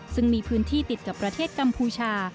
ซึ่งมีพื้นที่ติดกับประเทศกัมพูชา